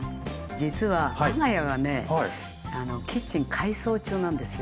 実は我が家がねキッチン改装中なんですよ。